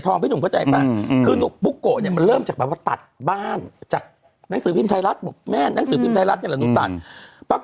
ติดคุกตลอดชีวิตนะ